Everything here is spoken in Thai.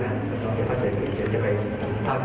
ไม่ว่าจะในสภาพก็ตามอย่างนี้